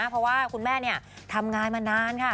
เพราะว่าคุณแม่ทำงานมานานค่ะ